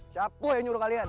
siapa yang nyuruh kalian